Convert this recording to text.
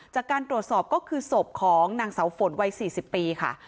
จากการตรวจสอบก็คือศพของนางเสาฝนวัย๔๐ปีค่ะ